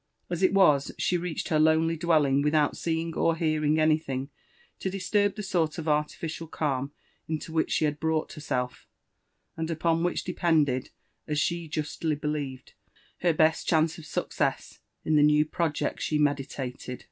As it was, she reached her lenely dwelling without seeing or hearing anything to disturb the sort of artificial calm into which she had brought herself, and upon which depended, as she josdy believed, her best chance of success in the new project she me ditated.